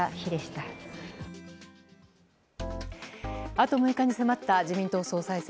あと６日に迫った自民党総裁選。